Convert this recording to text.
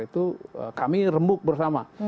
itu kami remuk bersama